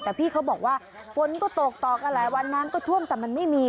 แต่พี่เขาบอกว่าฝนก็ตกต่อกันหลายวันน้ำก็ท่วมแต่มันไม่มี